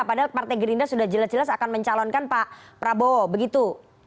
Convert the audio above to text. padahal partai gerindra sudah jelas jelas akan mencalonkan pak prabowo begitu